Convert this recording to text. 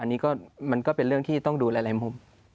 อันนี้ก็มันก็เป็นเรื่องที่ต้องดูหลายมุม